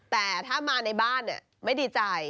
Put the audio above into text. แต่ถ้ามาในบ้านไม่ดีใจ